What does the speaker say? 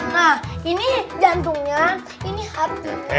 nah ini jantungnya ini hati